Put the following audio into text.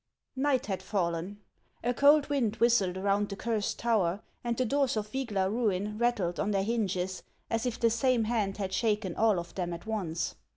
NIGHT had fallen ; a cold wind whistled around the Cursed Tower, and the doors of Vygla ruin rattled on their hinges, as if the same hand had shaken all of them at once.